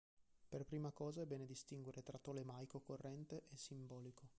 Per prima cosa è bene distinguere tra tolemaico corrente e simbolico.